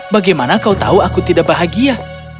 bagaimana kau tahu aku tidak bahagia